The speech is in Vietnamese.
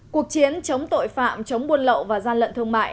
cuộc chiến chống tội phạm chống buôn lậu và gian lận thương mại